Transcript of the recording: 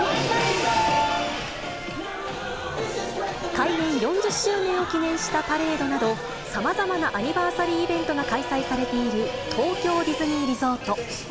開園４０周年を記念したパレードなど、さまざまなアニバーサリーイベントが開催されている東京ディズニーリゾート。